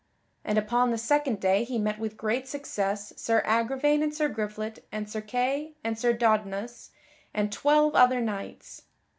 And upon the second day he met with great success Sir Agravaine and Sir Griflet and Sir Kay and Sir Dodinas and twelve other knights.